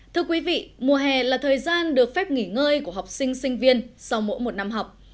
thưa quý vị mùa hè là thời gian được phép nghỉ ngơi của học sinh sinh viên sau mỗi một năm học